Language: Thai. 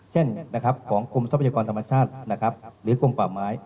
แช่งกรมทรัพยากรธรรมชาติคือกรมปลาไม้